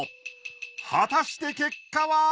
果たして結果は！？